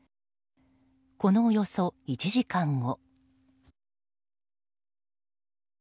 このおよそ１時間後。